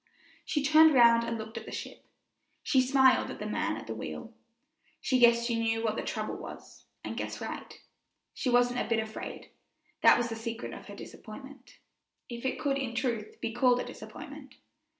She turned round and looked at the ship, and smiled at the man at the wheel, and guessed she knew what the trouble was, and guessed right. She wasn't a bit afraid; that was the secret of her disappointment, if it could in truth be called a disappointment.